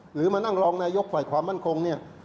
หรือมานั่งรองนายกฝ่ายความมั่นคงเนี่ย